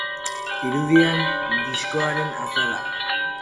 Irudian, diskoaren azala.